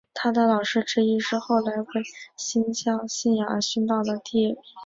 他的老师之一是后来为新教信仰而殉道的迪布尔。